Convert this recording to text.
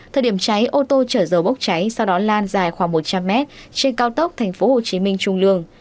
thời điểm cháy ô tô chở dầu bốc cháy sau đó lan dài khoảng một trăm linh mét trên cao tốc tp hcm trung lương